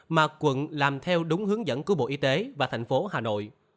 mà quận làm theo đúng hướng dẫn của bộ y tế và thành phố hà nội